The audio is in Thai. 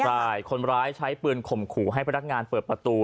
ใช่คนร้ายใช้ปืนข่มขู่ให้พนักงานเปิดประตู